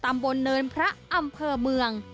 ตำบลเนินพระอำเภอเมือง